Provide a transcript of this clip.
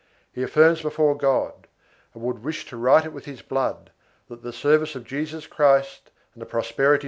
He affirms before God, and would wish to write it with his blood, that the service of Jesus Christ and the prosperity of 1 Bibl.